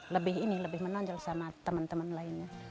lebih menonjol sama teman teman lainnya